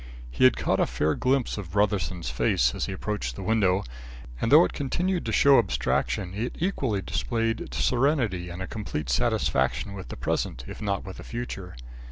He had caught a fair glimpse of Brotherson's face as he approached the window, and though it continued to show abstraction, it equally displayed serenity and a complete satisfaction with the present if not with the future.